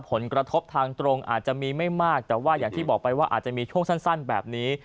ผลกระทบทางตรงอาจจะมีไม่มากแต่ว่าอย่างที่บอกไปว่าอาจจะมีช่วงสั้นแบบนี้